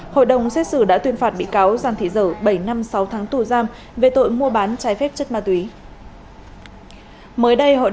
hội đồng xét xử đã tuyên phạt bị cáo giang thị dở bảy năm sáu tháng tù giam về tội mua bán trái phép chất ma túy